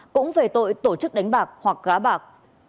cũng về tội tổ chức đánh bạc hoặc gá bạc